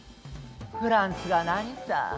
フランスが何さ。